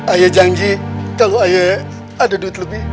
ayah janji kalau ayah ada duit lebih